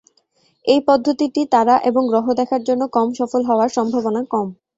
এই পদ্ধতিটি তারা এবং গ্রহ দেখার জন্য কম সফল হওয়ার সম্ভাবনা কম।